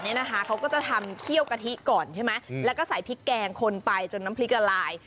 นะคะเขาก็จะทำเขี้ยวกะทิก่อนใช่ไหมแล้วก็ใส่พริกแกงคนไปจนน้ำพริกละลาย